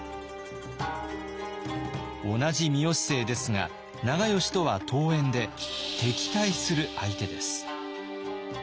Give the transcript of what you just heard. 同じ三好姓ですが長慶とは遠縁で敵対する相手です。